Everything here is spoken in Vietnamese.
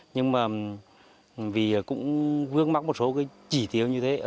nhưng mà vì cũng vương mắc một số chỉ thiếu như thế